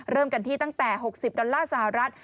เริ่มกันที่ตั้งแต่๖๐ดอลลาร์สหรัฐ